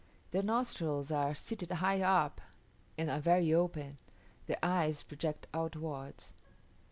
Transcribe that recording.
Their nostrils are seated high up and are very open; their eyes project outwards.